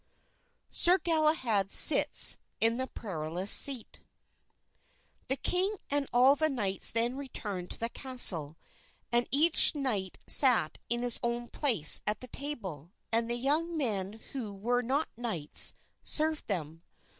Sir Galahad Sits in the Perilous Seat The king and all the knights then returned to the castle and each knight sat in his own place at the table, and the young men who were not knights served them.